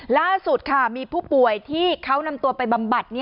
ล่าสุดค่ะมีผู้ป่วยที่เขานำตัวไปบำบัด